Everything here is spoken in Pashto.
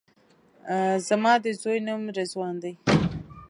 زما د زوی نوم رضوان دی